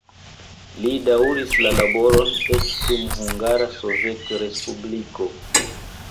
Li daŭris la laboron eĉ dum Hungara Sovetrespubliko.